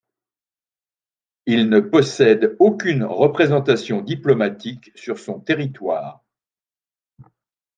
Il ne possède aucune représentation diplomatique sur son territoire.